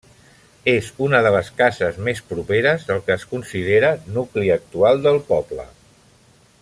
És una de les cases més properes al que es considera nucli actual del poble.